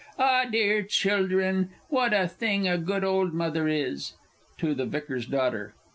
Ah, dear children, what a thing a good old mother is! (To the VICAR'S DAUGHTER.)